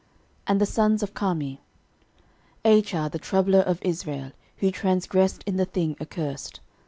13:002:007 And the sons of Carmi; Achar, the troubler of Israel, who transgressed in the thing accursed.